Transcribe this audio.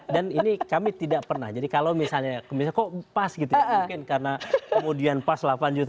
ini kami tidak pernah jadi kalau misalnya kok pas gitu ya mungkin karena kemudian pas delapan juta